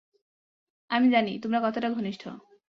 আমি জানি তোমরা কতটা ঘনিষ্ঠ।